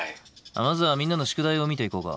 まずはみんなの宿題を見ていこうか。